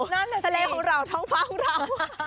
นั่นแหละสิทะเลของเราช่องฟ้าของเรา